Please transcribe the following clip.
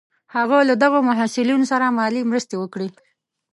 هغه له دغو محصلینو سره مالي مرستې وکړې.